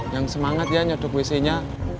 yang semangat ya nyodok wc nya